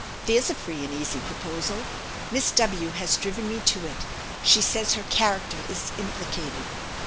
There's a free and easy proposal! Miss W has driven me to it. She says her character is implicated."